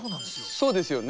そうですよね。